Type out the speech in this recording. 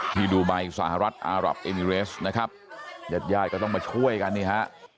ที่ดูใบสหรัฐอารับเอมิเวสนะครับยาดก็ต้องมาช่วยกันนะครับ